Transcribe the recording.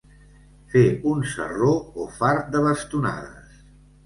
Fer un sarró o fart de bastonades.